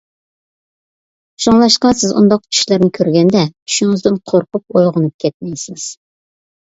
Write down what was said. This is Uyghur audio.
شۇڭلاشقا سىز ئۇنداق چۈشلەرنى كۆرگەندە، چۈشىڭىزدىن قورقۇپ ئويغىنىپ كەتمەيسىز.